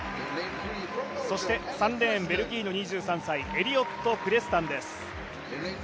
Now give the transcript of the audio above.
そして３レーン、ベルギーの２３歳エリオット・クレスタンです。